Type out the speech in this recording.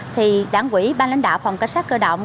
thì đảng quỹ ban lãnh đạo phòng cảnh sát cơ động